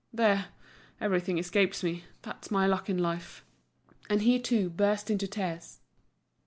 There, everything escapes me, that's my luck in life." And he, too, burst into tears.